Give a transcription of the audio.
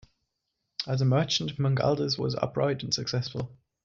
As a merchant Mangaldas was upright and successful.